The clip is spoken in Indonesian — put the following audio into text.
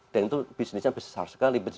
dan itu bisnisnya besar sekali